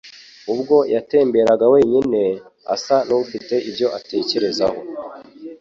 Ubwo yatemberaga wenyine, asa n’ufite ibyo atekerezaho